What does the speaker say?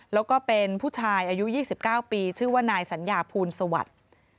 แล้วก็เป็นผู้ชายอายุ๒๙ปีชื่อว่านายสัญญาภูลสวัสดิ์